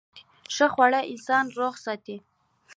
ښه خواړه انسان روغ ساتي.